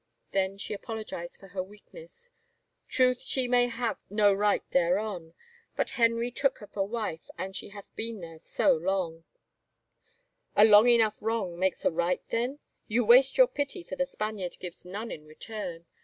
Then she apologized for her weakness. " Truth she may have no right thereon, but Henry took her for wife and she hath been there so long —"" A long enough wrong makes a right then ? You waste your pity for the Spaniard gives none in return.